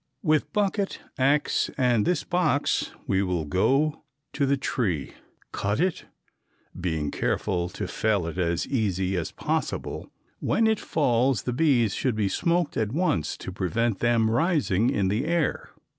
With bucket, ax, and this box we will go to the tree, cut it, being careful to fell it as easy as possible. When it falls the bees should be smoked at once to prevent them rising in the air.